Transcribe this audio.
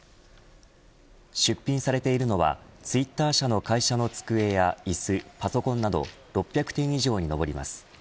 出品されているのはツイッター社の会社の机やいすパソコンなど６００点以上に上ります。